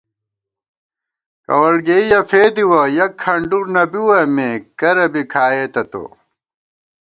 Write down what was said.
کوَڑگېئیَہ فېدِوَہ ، یَک کھنڈُر نہ بِوَہ مے کرہ بی کھائېتہ تو